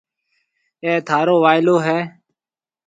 اي ٿارو وائيلو هيَ۔